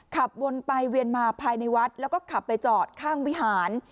ขับวนไปเวียนมาภายในวัดแล้วก็ขับไปจอดข้างวิหาร